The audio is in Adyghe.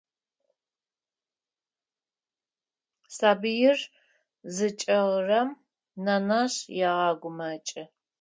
Сабыир зыкӏэгъырэм нэнэжъ егъэгумэкӏы.